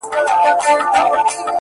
موږ هم یو په چاره پوري حیران څه به کوو؟،